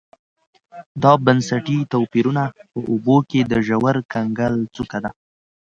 دا بنسټي توپیرونه په اوبو کې د ژور کنګل څوکه ده